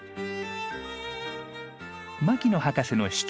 牧野博士の主張